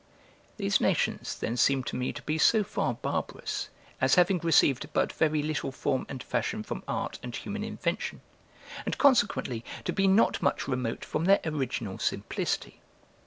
These nations then seem to me to be so far barbarous, as having received but very little form and fashion from art and human invention, and consequently to be not much remote from their original simplicity.